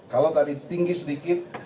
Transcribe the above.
kalau tadi tinggi sedikit